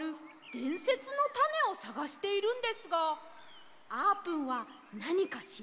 でんせつのタネをさがしているんですがあーぷんはなにかしりませんか？